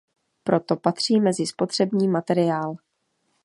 Proto patří mezi spotřební materiál.